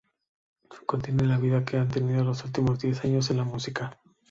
Contiene la vida que han tenido los últimos diez años en la música.